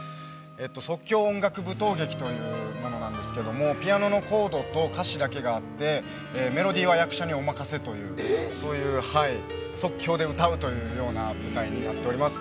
即興音楽舞踏劇というピアノのコードと歌詞だけがあって、メロディーは役者にお任せという即興で歌うというような舞台になっております。